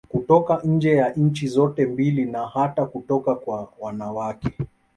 Kutoka nje ya nchi zote mbili na hata kutoka kwa wanawake